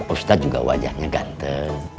ustadz juga wajahnya ganteng